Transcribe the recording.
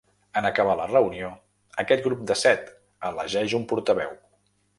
En acabar la reunió, aquest grup de set elegeix un portaveu.